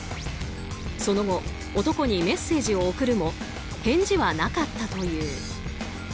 その後、男にメッセージを送るも返事はなかったという。